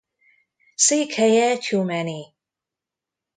Székhelye Tyumeny.